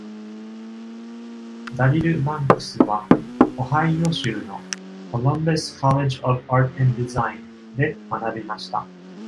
ダリル・バンクスは、オハイオ州の Columbus College of Art and Design で学びました。